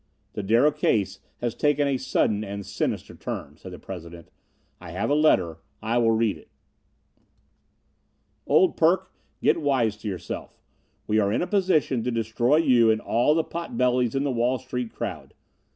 "The Darrow case has taken a sudden and sinister turn," said the president. "I have a letter. I will read it: "Old Perk: Get wise to yourself. We are in a position to destroy you and all the pot bellies in the Wall Street crowd.